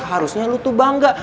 harusnya lo tuh bangga